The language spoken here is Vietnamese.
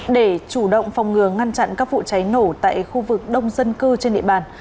để chủ động phòng ngừa ngăn chặn các vụ cháy nổ tại khu vực đông dân cư trên địa bàn